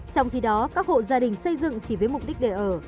trong khi đó các hộ gia đình xây dựng chỉ với mục đích để ở